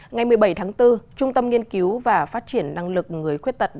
ngày một mươi bảy tháng bốn trung tâm nghiên cứu và phát triển năng lực người khuyết tật